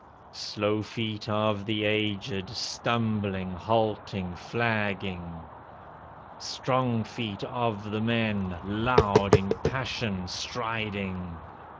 Slow feet of the aged, stumbling, halting, flagging. Strong feet of the men loud in passion striding.